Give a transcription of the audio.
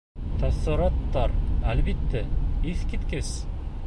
Тәьҫораттар, әлбиттә, иҫ киткес.